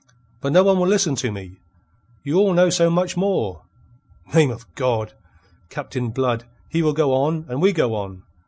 But no one will listen to me. You all know so much more. Name of God! Captain Blood, he will go on, and we go on.